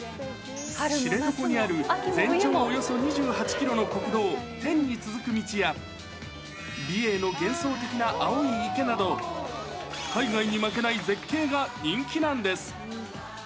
知床にある、全長およそ２８キロの国道、天に続く道や、美瑛の幻想的な青い池など、海外に負けない絶景が人気なんです。